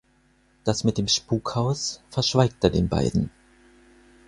Das mit dem Spukhaus verschweigt er den beiden.